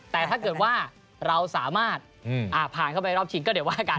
แต่ถ้าเกิดว่าเราสามารถผ่านเข้าไปรอบชิงก็เดี๋ยวว่ากัน